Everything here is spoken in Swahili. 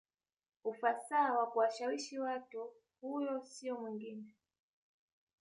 ufasaha wa kuwashawishi Watu Huyo siyo mwingine